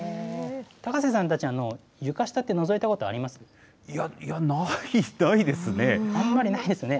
高瀬さんたち、床下ってのぞいたいや、ないですね。